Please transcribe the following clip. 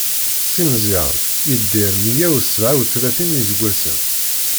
Si Meẓyan yedder meyya u sebɛa u tlatin n iseggasen.